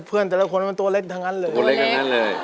เพื่อนแต่ละคนมันตัวเล็กทั้งนั้นเลย